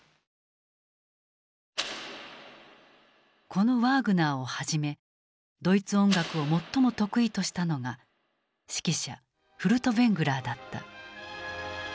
このワーグナーをはじめドイツ音楽を最も得意としたのが指揮者フルトヴェングラーだった。